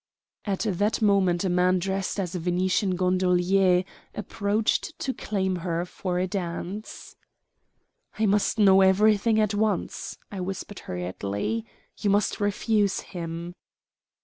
At that moment a man dressed as a Venetian gondolier approached to claim her for a dance. "I must know everything at once," I whispered hurriedly. "You must refuse him."